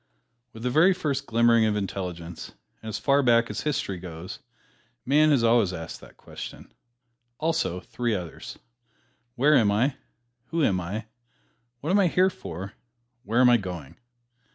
With the very first glimmering of intelligence, and as far back as history goes, man has always asked that question, also three others: Where am I? Who am I? What am I here for? Where am I going?